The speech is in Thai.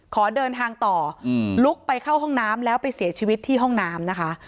ขอเดินทางต่อลุกไปเข้าห้องน้ำแล้วไปเสียชีวิตที่ห้องน้ำนะคะ